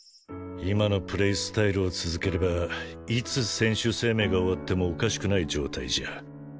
今のプレースタイルを続ければいつ選手生命が終わってもおかしくない状態じゃ。